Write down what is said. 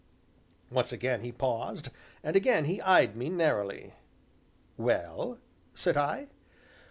Once again he paused and again he eyed me narrowly. "Well?" said I.